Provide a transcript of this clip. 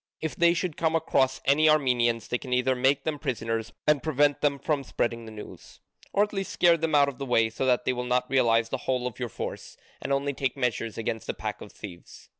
If they should come across any Armenians they can either make them prisoners and prevent them from spreading the news, or at least scare them out of the way, so that they will not realise the whole of your force, and only take measures against a pack of thieves.